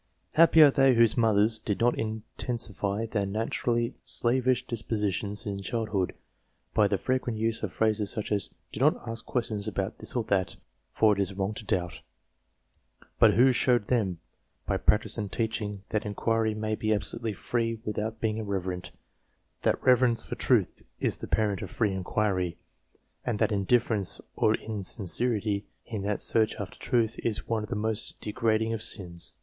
Happy are they whose mothers did not intensify their naturally slavish dispositions in childhood, by the frequent use of phrases such as, " Do not ask questions about this or that, for it is wrong to doubt ;" but who showed them, by practice and teaching, that inquiry may be absolutely free without being irreverent, that reverence for truth is the parent of free inquiry, and that indifference or insincerity in the search after truth is one of the most degrading of sins.